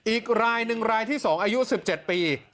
อีกรายหนึ่งรายที่๒อายุ๑๗ปี